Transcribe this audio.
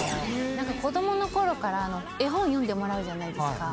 子供のころから絵本読んでもらうじゃないですか。